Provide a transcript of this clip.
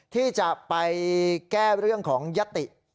ที่จะไปแก้เรื่องของยติ